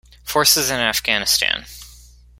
Forces in Afghanistan.